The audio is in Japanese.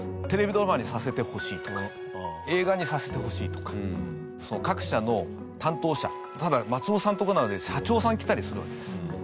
テレビドラマにさせてほしいとか映画にさせてほしいとか各社の担当者ただ松本さんのとこなので社長さん来たりするわけです。